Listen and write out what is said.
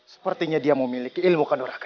sepertinya dia memiliki ilmu kanuraka